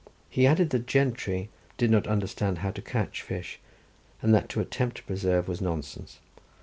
He added that gentry did not understand how to catch fish, and that to attempt to preserve was nonsense.